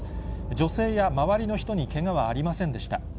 女性や周りの人にけがはありませんでした。